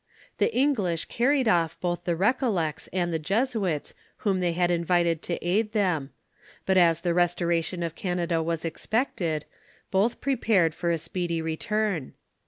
The English carried off both the Recollects and the Jesuits whom they had in vited to aid them ; but as the restoration of Canada was expected, both pre pared for a speedy return.